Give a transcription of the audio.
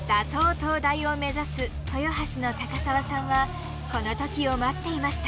東大を目指す豊橋の高澤さんはこの時を待っていました。